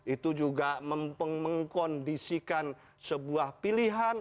itu juga mengkondisikan sebuah pilihan